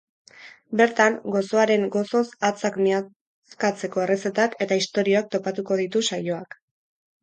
Bertan, gozoaren gozoz hatzak miazkatzeko errezetak eta istorioak topatuko ditu saioak.